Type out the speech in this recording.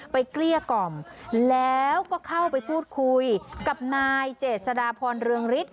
เกลี้ยกล่อมแล้วก็เข้าไปพูดคุยกับนายเจษฎาพรเรืองฤทธ